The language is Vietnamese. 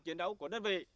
chiến đấu của đất vị